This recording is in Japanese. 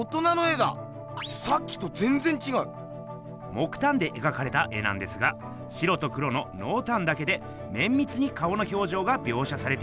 木たんでえがかれた絵なんですが白と黒ののうたんだけでめんみつに顔のひょうじょうがびょうしゃされています。